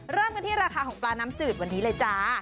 เริ่มกันที่ราคาของปลาน้ำจืดวันนี้เลยจ้า